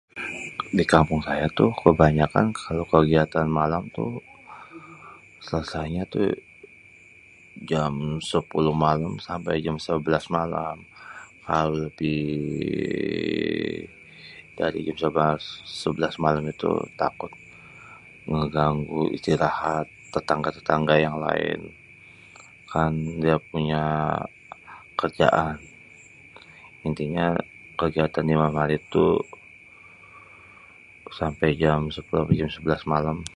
Di kampung saya tuh kebanyakan kalo kegiatan malam tuh selesainya tuh jam 10 malem sampe jam 11 malam, kalau lebih dari jam 11 malam itu takutnya ngéganggu istirahat tetangga-tetangga yang lain ya kan punya kerjaan. Intinya kegiatan di malam hari tuh sampe jam 11 malém.